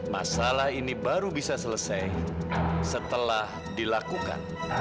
masalah ini baru bisa selesai setelah dilakukan